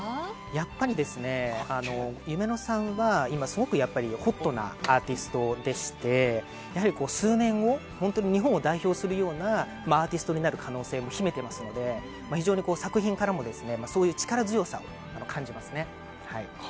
やっぱり、夢乃さんは今すごくホットなアーティストでして数年後本当に日本を代表するようなアーティストになる可能性を秘めていますので非常に作品からもそういう力強さを感じますね。